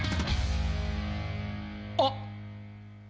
あっ！